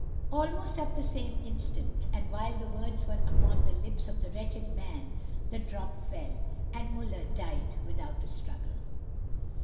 Almost at the same instant, and while the words were upon the lips of the wretched man, the drop fell, and Muller died without a struggle.